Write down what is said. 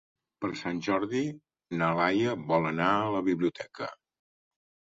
Per Sant Jordi na Laia vol anar a la biblioteca.